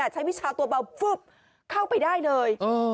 วิชาตัวเบาฟึบเข้าไปได้เลย